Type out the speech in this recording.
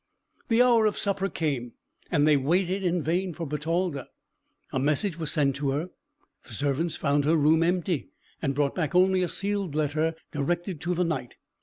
The hour of supper came, and they waited in vain for Bertalda. A message was sent to her; the servants found her room empty, and brought back only a sealed letter directed to the Knight.